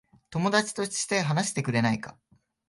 友達として話してくれないか。